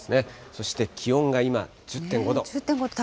そして気温が今、１０．５度。